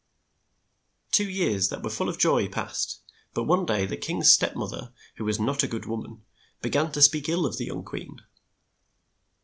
Two years that were full of joy passed, but one day the king's step moth er, who was not a good wom an, be gan to speak ill of the young queen.